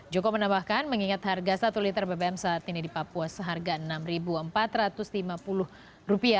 joko menambahkan mengingat harga satu liter bbm saat ini di papua seharga rp enam empat ratus lima puluh